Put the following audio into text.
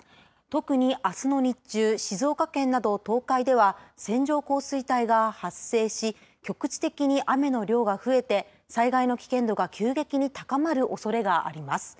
特にあすの日中、静岡県など東海では線状降水帯が発生し、局地的に雨の量が増えて、災害の危険度が急激に高まるおそれがあります。